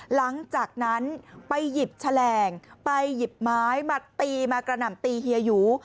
หลังจากนั้นไปหยิบแฉลงไปหยิบไม้มาตีมากระหน่ำตีเฮียหยู